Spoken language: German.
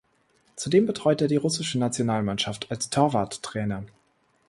Zudem betreut er die russische Nationalmannschaft als Torwarttrainer.